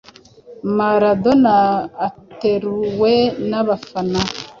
Maradona ateruwe n'abafana